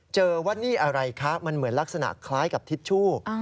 เจอว่านี่อะไรคะมันเหมือนลักษณะคล้ายกับทิชชู่